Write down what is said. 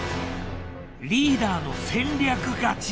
リーダーの戦略勝ち。